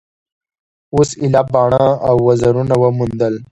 اوس ایله باڼه او وزرونه وموندل.